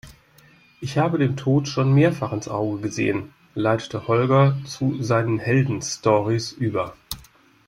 Ich habe dem Tod schon mehrfach ins Auge gesehen, leitete Holger zu seinen Heldenstorys über.